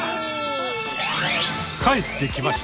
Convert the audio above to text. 帰ってきました